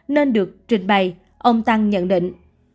nên được trình bày ông tang nhận định